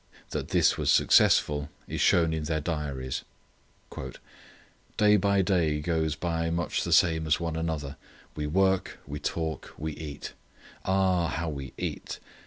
That this was successful is shown in their diaries. "Day by day goes by much the same as one another. We work; we talk; we eat. Ah, how we eat!